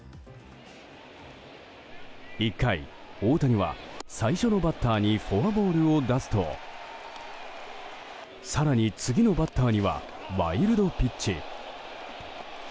１回、大谷は最初のバッターにフォアボールを出すと更に、次のバッターにはワイルドピッチ。